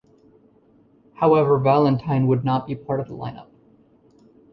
However Valentine would not be part of the lineup.